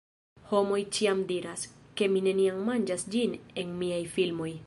Homoj ĉiam diras, ke mi neniam manĝas ĝin en miaj filmoj